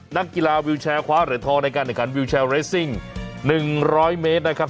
นักกีฬาวิวแชร์ขวาเหลือทองในการเนื้อการวิวแชร์เรสซิ่งหนึ่งร้อยเมตรนะครับ